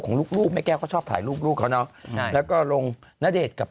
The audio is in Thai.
ของลูกแม่แก้วก็ชอบถ่ายลูกเขาแล้วแล้วก็ลงณเดชกับ